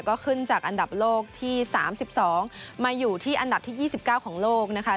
ก็ขึ้นจากอันดับโลกที่๓๒มาอยู่ที่อันดับที่๒๙ของโลกนะคะ